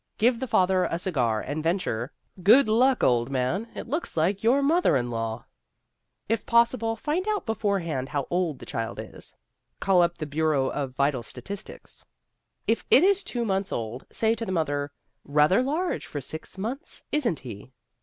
Give the father a cigar and venture, "Good luck, old man; it looks like your mother in law." If possible, find out beforehand how old the child is. Call up the Bureau of Vital Statistics. If it is two months old, say to the mother, "Rather large for six months, isn't he?"